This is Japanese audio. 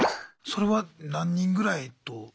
それは何人ぐらいと？